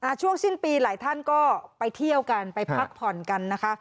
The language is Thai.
ช่วงสิ้นปีหลายท่านก็ไปเที่ยวกันไปพักผ่อนกันนะคะ